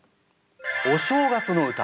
「お正月」の歌。